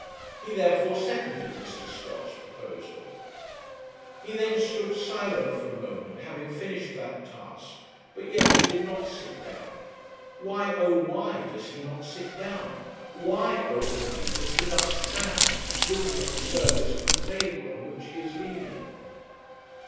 He therefore seconded Mr. Scott's proposal.' He then stood silent for a moment, having finished that task; but yet he did not sit down. Why, oh, why does he not sit down? why, O Undy, does he thus stand, looking at the surface of the table on which he is leaning?